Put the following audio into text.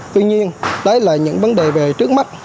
tuy nhiên đấy là những vấn đề về trước mắt